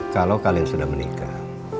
kalau kalian sudah menikah